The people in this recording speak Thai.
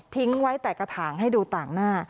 ไว้แต่กระถางให้ดูต่างหน้า